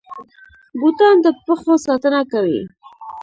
بوټان د پښو ساتنه کوي